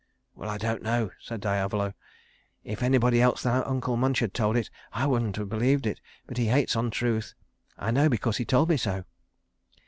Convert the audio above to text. "Well, I don't know," said Diavolo. "If anybody else than Uncle Munch had told it, I wouldn't have believed it. But he hates untruth. I know because he told me so."